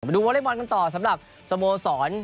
ไปดูวอลลี่บอลกันต่อสำหรับสโมสร